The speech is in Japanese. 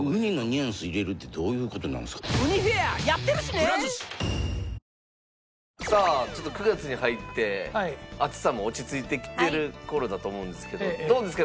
ハイクラスカードはダイナースクラブさあちょっと９月に入って暑さも落ち着いてきてる頃だと思うんですけどどうですか？